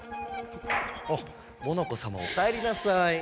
おっモノコさまおかえりなさい。